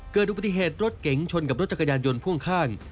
เกิดอุบัติเหตุรถเก๋งชนกับรถจักรยานยนต์พ่วงข้าง